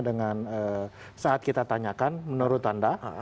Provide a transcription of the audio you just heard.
dengan saat kita tanyakan menurut anda